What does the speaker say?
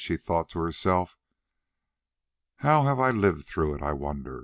she thought to herself. "How have I lived through it, I wonder?